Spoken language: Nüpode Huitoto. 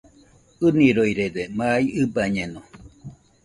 ɨniroirede, mai ɨbañeno